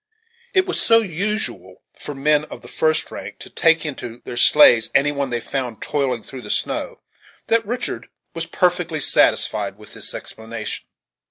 It was so usual for men of the first rank to take into their sleighs any one they found toiling through the snow, that Richard was perfectly satisfied with this explanation.